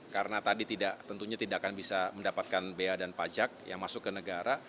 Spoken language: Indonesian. karena tadi tidak tentunya tidak akan bisa mendapatkan bea dan pajak yang masuk ke negara